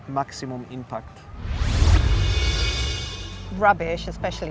membuatnya terlalu berpengaruh